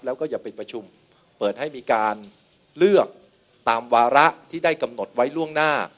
แล้วก็อย่าปิดประชุมเปิดให้มีการเลือกตามวาระที่ได้กำหนดไว้ล่วงหน้า